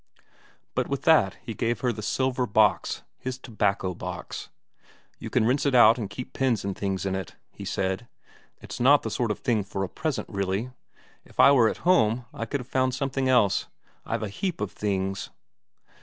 And with that he gave her the silver box, his tobacco box. "You can rinse it out and use it to keep pins and things in," he said. "It's not the sort of thing for a present really. If I were at home I could have found her something else; I've a heap of things...."